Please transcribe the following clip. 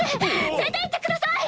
出ていってください！